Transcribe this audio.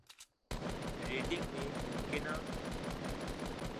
rating میں ممکنہ